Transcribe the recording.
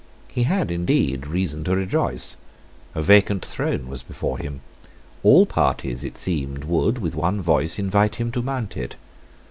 He had, indeed, reason to rejoice. A vacant throne was before him. All parties, it seemed, would, with one voice, invite him to mount it.